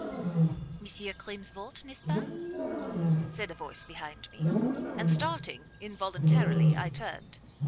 "Monsieur Creemsvort, n'est ce pas?" said a voice behind me; and, starting involuntarily, I turned.